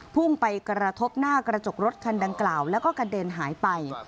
พุ่งไปกระทบหน้ากระจกรถคันดังกล่าวแล้วก็กระเด็นหายไป